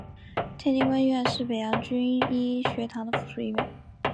天津官医院是北洋军医学堂的附属医院。